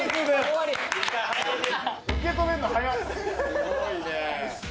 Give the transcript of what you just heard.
すごいねえ。